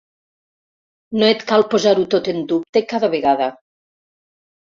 No et cal posar-ho tot en dubte cada vegada.